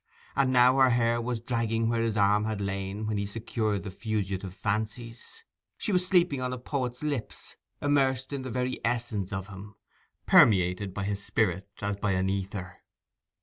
And now her hair was dragging where his arm had lain when he secured the fugitive fancies; she was sleeping on a poet's lips, immersed in the very essence of him, permeated by his spirit as by an ether.